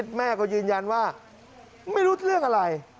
แม่ก็ยืนยันว่าไม่รู้เรื่องอะไร